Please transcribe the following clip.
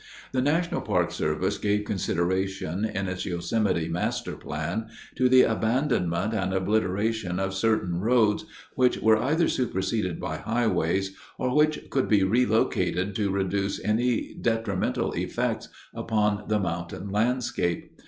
The National Park Service gave consideration, in its Yosemite Master Plan, to the abandonment and obliteration of certain roads which were either superseded by highways or which could be relocated to reduce any detrimental effects upon the mountain landscape.